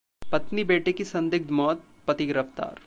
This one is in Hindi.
पत्नी-बेटे की संदिग्ध मौत, पति गिरफ्तार